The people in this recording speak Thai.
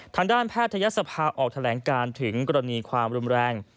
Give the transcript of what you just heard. ทางด้านแพทยศภาออกแถลงการถึงกรณีความรุนแรง